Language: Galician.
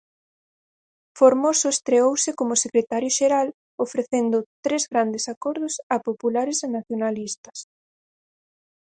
Formoso estreouse como secretario xeral ofrecendo "tres grandes acordos" a populares e nacionalistas.